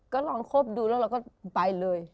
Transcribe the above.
ก็ลองคบดูแล้วเราก็ไปเลย